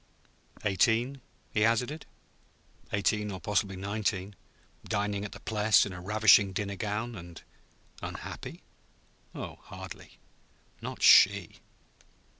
"Eighteen?" he hazarded. "Eighteen, or possibly nineteen, dining at the Pless in a ravishing dinner gown, and unhappy? Oh, hardly not she!"